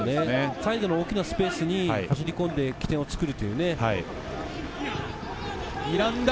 サイドの大きなスペースに走り込んで起点を作る。